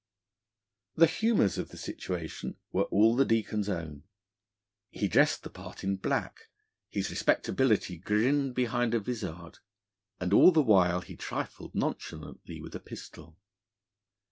The humours of the situation were all the Deacon's own. He dressed the part in black; his respectability grinned behind a vizard; and all the while he trifled nonchalantly with a pistol.